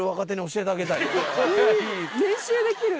練習できる。